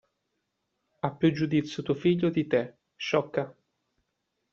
Ha più giudizio tuo figlio di te, sciocca.